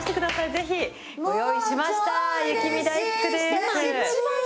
ぜひ。ご用意しました雪見だいふくです。